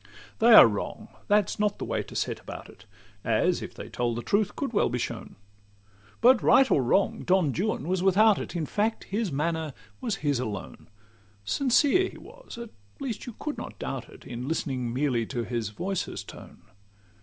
They are wrong—that 's not the way to set about it; As, if they told the truth, could well be shown. But, right or wrong, Don Juan was without it; In fact, his manner was his own alone; Sincere he was—at least you could not doubt it, In listening merely to his voice's tone.